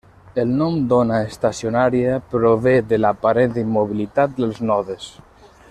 El nom d'ona estacionària prové de l'aparent immobilitat dels nodes.